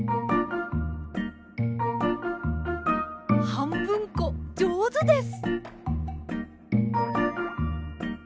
はんぶんこじょうずです。